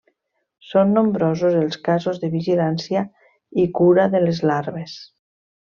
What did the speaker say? Són nombrosos els casos de vigilància i cura de les larves.